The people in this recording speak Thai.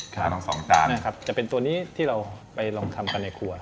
ทั้งสองจานนะครับจะเป็นตัวนี้ที่เราไปลองทำกันในครัว